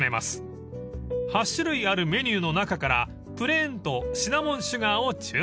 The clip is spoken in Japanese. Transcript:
［８種類あるメニューの中からプレーンとシナモンシュガーを注文］